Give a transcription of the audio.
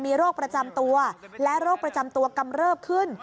มีโรคประจำตัวและโรคประจำตัวกำเริบขึ้น